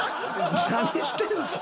何してんですか？